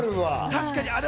確かに。